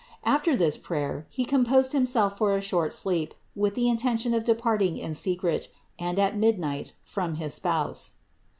After this prayer he composed himself for a short sleep with the intention of departing1 in secret and at midnight from his Spouse.